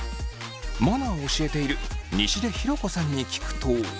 マナーを教えている西出ひろ子さんに聞くと。